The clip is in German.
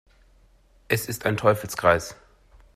Es ist ein Teufelskreis.